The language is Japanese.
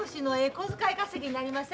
小遣い稼ぎになります